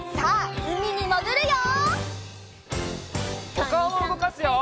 おかおもうごかすよ！